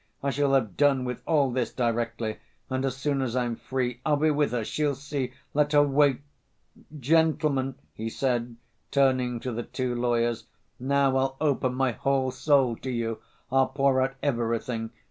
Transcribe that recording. I shall have done with all this directly, and as soon as I'm free, I'll be with her, she'll see, let her wait. Gentlemen," he said, turning to the two lawyers, "now I'll open my whole soul to you; I'll pour out everything.